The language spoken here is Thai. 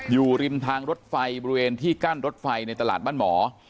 อยู่ริมทางรถไฟบริเวณที่กั้นรถไฟในตลาดบ้านหมอ